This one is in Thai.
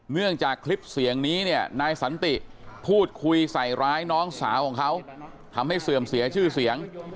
เนื่องจากคลิปเสียงนี้เนี่ยนายสันติพูดคุยใส่ร้ายน้องสาวของเขาทำให้เสื่อมเสียชื่อเสียง